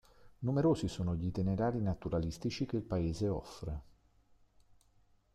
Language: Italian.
Numerosi sono gli itinerari naturalistici che il paese offre.